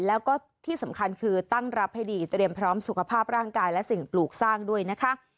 แล้วก็ที่สำคัญคือตั้งรับให้ดีเตรียมพร้อมสุขภาพร่างกายและสิ่งปลูกสร้างด้วยนะคะ